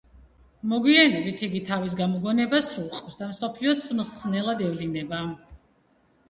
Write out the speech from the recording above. მოგვიანებით იგი თავის გამოგონებას სრულყოფს და მსოფლიოს მხსნელად ევლინება.